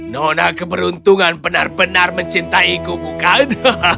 nona keberuntungan benar benar mencintaiku bukan